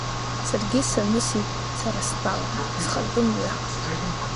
Саргьы санысит, сара стәала, схатәы мҩа.